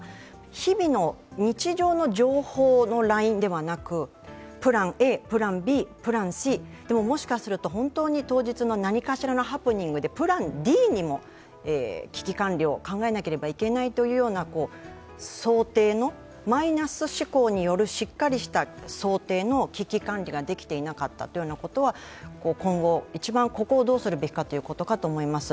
日々の、日常の情報のラインではなく、プランＡ、プランＢ、プランＣ、でももしかすると本当に当日の何かしらのハプニングでプランＤにも危機管理を考えなければいけないというようなマイナス思考によるしっかりした想定の危機管理ができていなかったことは今後一番、ここをどうすべきかということかと思います。